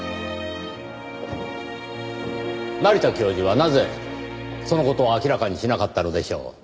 成田教授はなぜその事を明らかにしなかったのでしょう？